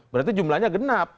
berarti jumlahnya genap